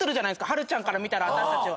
はるちゃんから見たら私たちは。